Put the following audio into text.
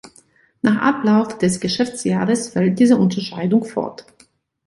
Nach Ablauf des Geschäftsjahres fällt diese Unterscheidung fort.